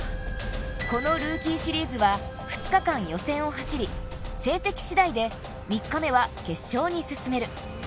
このルーキーシリーズは２日間予選を走り成績次第で３日目は決勝に進める